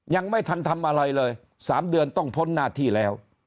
ยังไม่ทันทำอะไรเลย๓เดือนต้องพ้นหน้าที่แล้ว